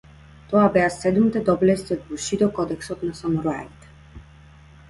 Тоа беа седумте доблести од бушидо кодексот на самураите.